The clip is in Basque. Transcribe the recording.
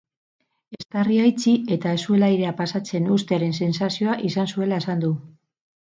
Eztarria itxi eta ez zuela airea pasatzen uztearen sentsazioa izan zuela esan du.